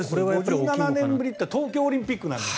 ５７年ぶりっていうと東京オリンピックなんです。